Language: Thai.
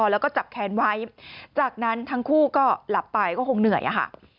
แล้วก็จับแค้นไว้จากนั้นทั้งคู่ก็หลับไปก็คงเหนื่อยอะค่ะ